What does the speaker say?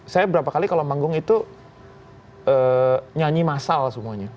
saya berapa kali kalau manggung itu nyanyi massal semuanya